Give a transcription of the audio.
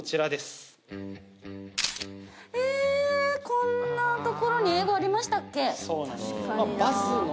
こんな所に英語ありましたっけ？